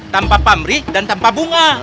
tanpa pamrik dan tanpa bunga